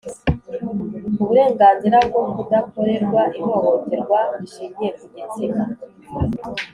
Uburenganzira bwo Kudakorerwa Ihohoterwa Rishingiye ku Gitsina